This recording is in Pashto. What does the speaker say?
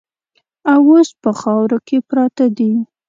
او اوس په خاورو کې پراته دي.